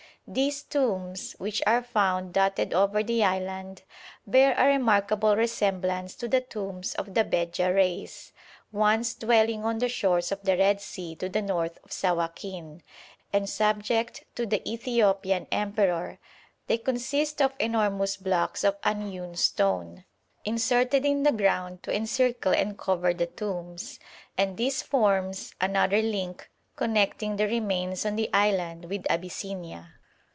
These tombs, which are found dotted over the island, bear a remarkable resemblance to the tombs of the Bedja race, once dwelling on the shores of the Red Sea to the north of Sawakin, and subject to the Ethiopian emperor; they consist of enormous blocks of unhewn stone, inserted in the ground to encircle and cover the tombs, and this forms another link connecting the remains on the island with Abyssinia. [Illustration: THE PLAIN OF ERIOSH, SOKOTRA.